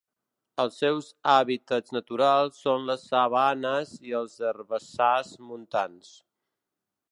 Els seus hàbitats naturals són les sabanes i els herbassars montans.